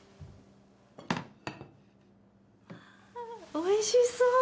おいしそう。